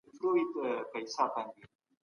پارلمان هوایي حریم نه بندوي.